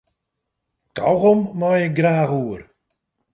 Kaugom mei ik graach oer.